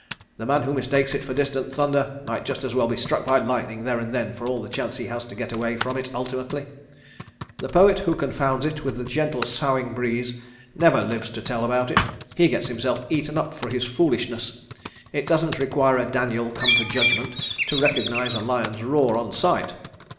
The man who mistakes it for distant thunder might just as well be struck by lightning there and then for all the chance he has to get away from it ultimately. The poet who confounds it with the gentle soughing breeze never lives to tell about it. He gets himself eaten up for his foolishness. It doesn't require a Daniel come to judgment to recognise a lion's roar on sight.